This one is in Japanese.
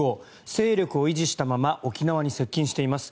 勢力を維持したまま沖縄に接近しています。